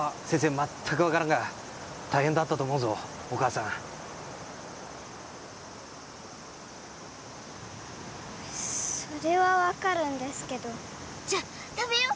まったく分からんが大変だったと思うぞお母さんそれは分かるんですけどじゃ食べよう